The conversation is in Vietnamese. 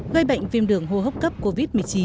gây bệnh viêm đường hô hấp cấp covid một mươi chín